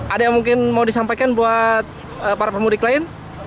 ada yang mungkin mau disampaikan buat para pemudik lain